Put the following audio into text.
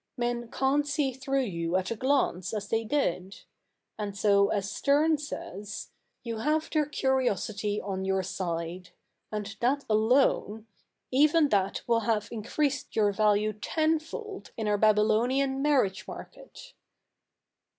Men can't see through you at a glance as they did ; and so, as Sterne says, " you have their curiosity on your side," and that alone — even that will have increased your value tenfold in our Babylonian marriage market.'